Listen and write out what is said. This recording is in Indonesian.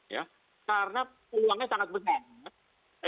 ya karena peluangnya sangat besar